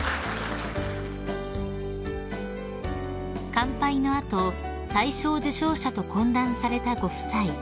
［乾杯の後大賞受賞者と懇談されたご夫妻］